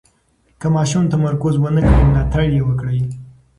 که ماشوم تمرکز ونه کړي، ملاتړ یې وکړئ.